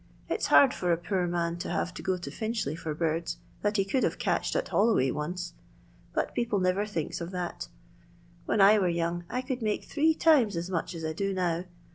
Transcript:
It 's hard for a to hare to go to Finchley for birds that have catched at Holloway once, but rer thinks of that When I were young Doake three times as much as I do now.